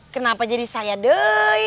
kenapa jadi saya doi